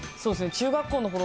中学校のころ